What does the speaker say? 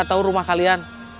atau rumah kalian